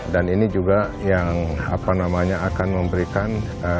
dan ini juga yang apa namanya akan memberikan